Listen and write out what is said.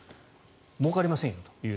もうかりませんよと。